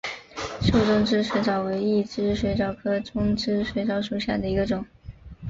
瘦中肢水蚤为异肢水蚤科中肢水蚤属下的一个种。